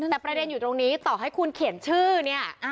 แต่ประเด็นอยู่ตรงนี้ต่อให้คุณเขียนชื่อเนี่ย